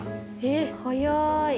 えっ早い。